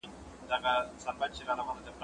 دا پوښتنه له هغه اسانه ده